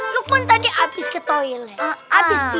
sopi sudah kebawah